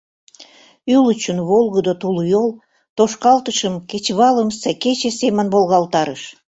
Ӱлычын волгыдо тулйол тошкалтышым кечывалымсе кече семын волгалтарыш.